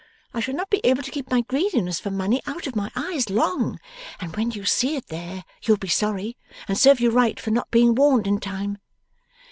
I shall not be able to keep my greediness for money out of my eyes long, and when you see it there you'll be sorry, and serve you right for not being warned in time.